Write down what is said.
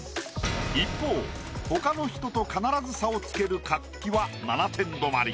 一方他の人と必ず差をつける活気は７点止まり。